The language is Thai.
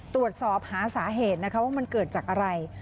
ตรวจสอบหาสาเหตุนะคะว่ามันเกิดจากอะไร